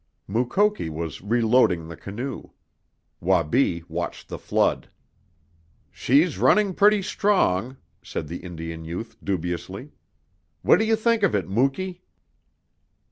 Mukoki was reloading the canoe. Wabi watched the flood. "She's running pretty strong," said the Indian youth dubiously. "What do you think of it, Muky?"